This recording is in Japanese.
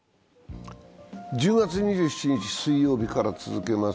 １０月２７日水曜日から続けます。